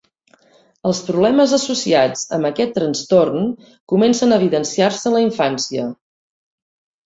Els problemes associats amb aquest trastorn comencen a evidenciar-se en la infància.